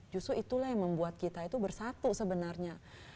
justru itulah yang membuat kita itu bersatu sebenarnya